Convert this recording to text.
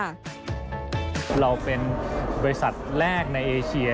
เราเป็นบริษัทแรกในเอเชีย